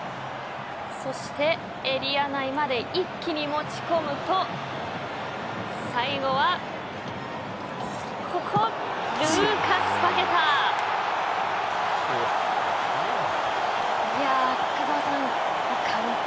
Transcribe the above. そしてエリア内まで一気に持ち込むと最後はここルーカスパケタ。